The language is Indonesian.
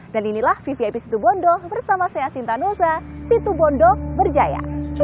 dan inilah vvip situbondo bersama saya sinta nusa situbondo berjaya